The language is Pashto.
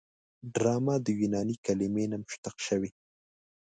ډرامه د یوناني کلمې نه مشتق شوې.